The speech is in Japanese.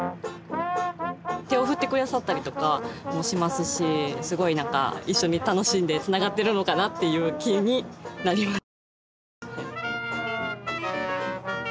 手を振って下さったりとかもしますしすごいなんか一緒に楽しんでつながってるのかなっていう気になります。